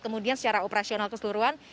kemudian secara operasional keseluruhan